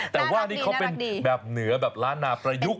แต่ว่านี่เขาเป็นแบบเหนือแบบล้านนาประยุกต์